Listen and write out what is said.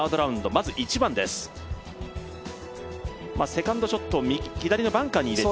まず１番です、セカンドショットを左のバンカーに入れて。